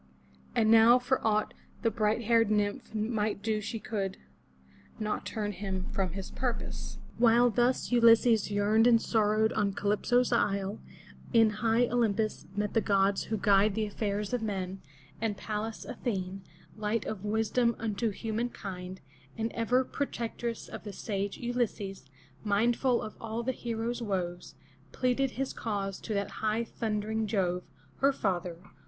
And now for aught the bright haired nymph might do she could not turn him from his purpose. While thus Ulysses yearned and sorrowed on Calypso's isle, in high 0 lym'pus met the gods who guide the affairs of men, and Parias A the'ne, light of wisdom unto human kind, and ever protectress of the sage Ulysses, mindful of all the hero's woes, pleaded his cause to that high thundering Jove, her father.